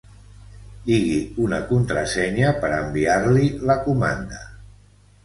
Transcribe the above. Digui una contrasenya per a enviar-li la comanda.